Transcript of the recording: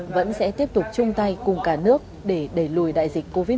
vẫn sẽ tiếp tục chung tay cùng cả nước để đẩy lùi đại dịch covid một mươi chín